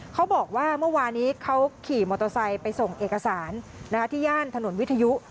เขาบอกว่าเมื่อวานี้เขาขี่มอเตอร์ไซค์ไปส่งเอกสารที่ย่านถนนวิทยุ